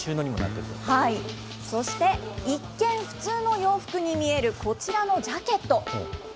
そして、一見普通の洋服に見えるこちらのジャケット。